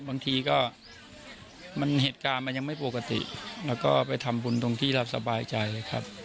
บางทีก็เหตุการณ์มันยังไม่ปกติแล้วก็ไปทำบุญตรงที่เราสบายใจครับ